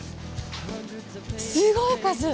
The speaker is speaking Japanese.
すごい数。